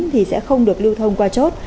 thì sẽ không được lưu thông qua chốt